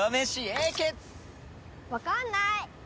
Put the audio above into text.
わかんない！